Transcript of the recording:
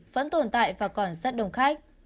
vẫn tồn tại và còn rất đông khách